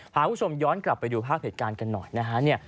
พาคุณผู้ชมย้อนกลับไปดูภาพเหตุการณ์กันหน่อยนะฮะ